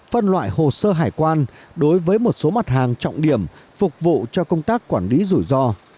phân loại hồ sơ hải quan đối với một số mặt hàng trọng điểm phục vụ cho công tác quản lý rủi ro